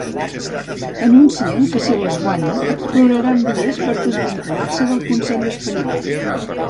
Anuncien que si les guanyen exploraran vies per desvincular-se del consell espanyol.